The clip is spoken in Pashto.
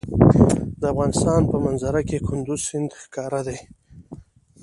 د افغانستان په منظره کې کندز سیند ښکاره ده.